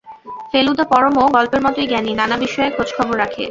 ফেলুদা পরমও গল্পের মতোই জ্ঞানী, নানা বিষয়ে খোঁজখবর রাখে।